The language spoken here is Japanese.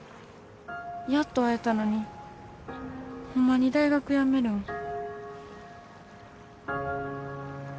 やっと会えたのにほんまに大学やめるん？